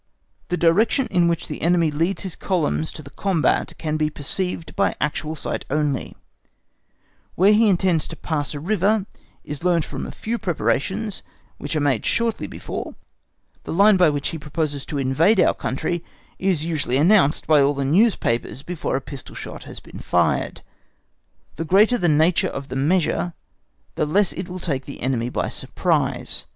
The direction in which the enemy leads his columns to the combat can be perceived by actual sight only; where he intends to pass a river is learnt from a few preparations which are made shortly before; the line by which he proposes to invade our country is usually announced by all the newspapers before a pistol shot has been fired. The greater the nature of the measure the less it will take the enemy by surprise.